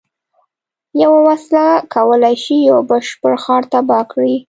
یوه وسله کولای شي یو بشپړ ښار تباه کړي